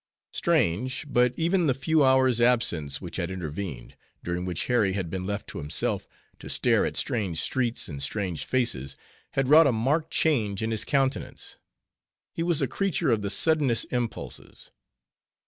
Strange, but even the few hours' absence which had intervened; during which, Harry had been left to himself, to stare at strange streets, and strange faces, had wrought a marked change in his countenance. He was a creature of the suddenest impulses.